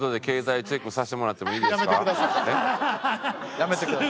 やめてください。